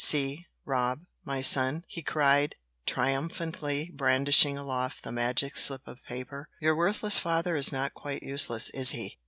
"See, Rob, my son," he cried, triumphantly brandishing aloft the magic slip of paper. "Your worthless father is not quite useless, is he?